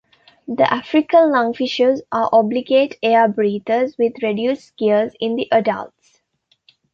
The African lungfishes are obligate air breathers, with reduced gills in the adults.